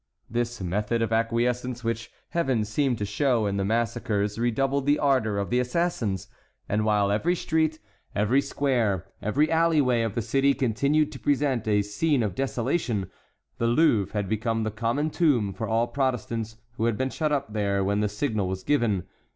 This method of acquiescence which Heaven seemed to show in the massacres redoubled the ardor of the assassins, and while every street, every square, every alley way of the city continued to present a scene of desolation, the Louvre had become the common tomb for all Protestants who had been shut up there when the signal was given.